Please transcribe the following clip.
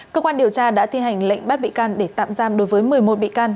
cơ quan điều tra đã thi hành lệnh bắt bị can để tạm giam đối với một mươi một bị can